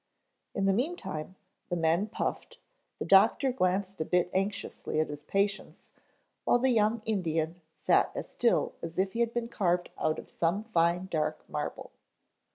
In the meantime the men puffed, the doctor glanced a bit anxiously at his patients, while the young Indian sat as still as if he had been carved out of some fine dark marble.